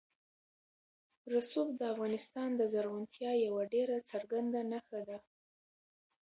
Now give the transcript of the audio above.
رسوب د افغانستان د زرغونتیا یوه ډېره څرګنده نښه ده.